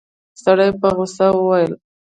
سړي په غوسه وويل.